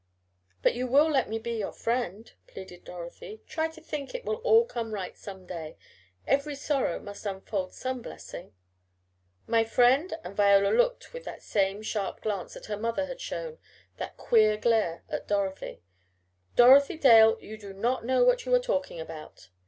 "But you will let me be you friend," pleaded Dorothy. "Try to think it will all come right some day every sorrow must unfold some blessing " "My friend!" and Viola looked with that same sharp glance that her mother had shown that queer glare at Dorothy. "Dorothy Dale, you do not know what you are talking about!"